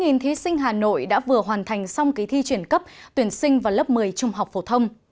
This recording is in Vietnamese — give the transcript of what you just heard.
gần tám mươi chín thí sinh hà nội đã vừa hoàn thành xong kỳ thi chuyển cấp tuyển sinh vào lớp một mươi trung học phổ thông